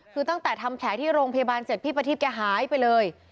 คือตั้งแต่ทำแผลที่โรงพยาบาลเสร็จพี่ประทีบแกหายไปเลย